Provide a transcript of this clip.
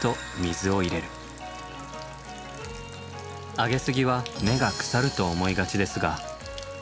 あげすぎは根が腐ると思いがちですが。